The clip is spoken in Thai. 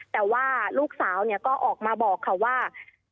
แต่ว่าลูกสาวก็ออกมาบอกค่ะว่า